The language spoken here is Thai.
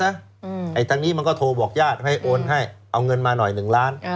ไอ้ทางนี้มันก็โทรบอกญาติให้โอนให้เอาเงินมาหน่อยหนึ่งล้าน